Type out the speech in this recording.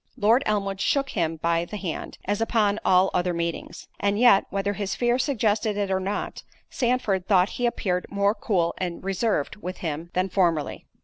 Lord Elmwood shook him by the hand, as upon all other meetings; and yet, whether his fear suggested it or not, Sandford thought he appeared more cool and reserved with him than formerly.